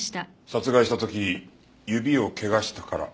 殺害した時指を怪我したからだな？